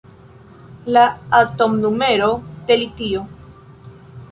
La atomnumero de litio.